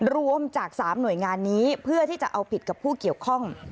รวมจาก๓หน่วยงานนี้เพื่อที่จะเอาผิดกับผู้เกี่ยวข้อง